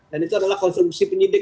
dan itu adalah konsumsi penyelidikan